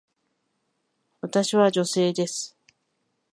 私は女性です。